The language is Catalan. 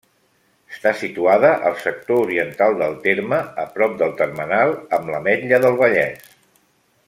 Està situada al sector oriental del terme, a prop del termenal amb l'Ametlla del Vallès.